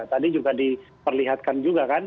tadi juga diperlihatkan juga kan